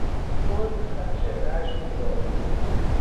حزن از چهرهاش میبارید.